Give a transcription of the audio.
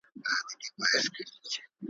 په مالت کي خاموشي سوه وخت د جام سو ,